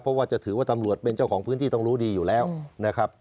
เพราะว่าจะถือว่าตำรวจเป็นเจ้าของพื้นที่ต้องรู้ดีอยู่แล้วนะครับ